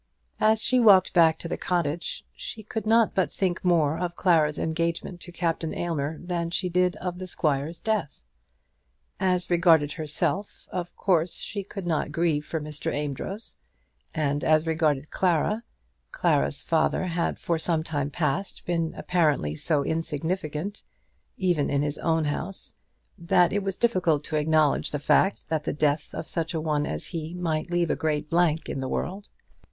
As she walked back to the cottage she could not but think more of Clara's engagement to Captain Aylmer than she did of the squire's death. As regarded herself, of course she could not grieve for Mr. Amedroz; and as regarded Clara, Clara's father had for some time past been apparently so insignificant, even in his own house, that it was difficult to acknowledge the fact that the death of such a one as he might leave a great blank in the world.